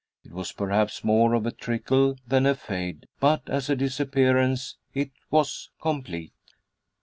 It was perhaps more of a trickle than a fade, but as a disappearance it was complete.